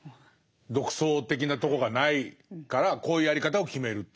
独創的なとこがないからこういうやり方を決めるという。